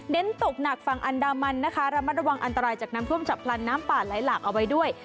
ตกหนักฝั่งอันดามันนะคะระมัดระวังอันตรายจากน้ำท่วมฉับพลันน้ำป่าไหลหลากเอาไว้ด้วย